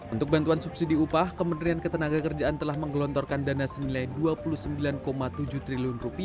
untuk bantuan subsidi upah kementerian ketenaga kerjaan telah menggelontorkan dana senilai rp dua puluh sembilan tujuh triliun